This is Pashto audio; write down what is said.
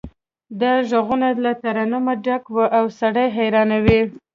دا غږونه له ترنمه ډک وي او سړی حیرانوي